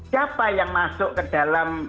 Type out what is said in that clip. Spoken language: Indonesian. siapa yang masuk ke dalam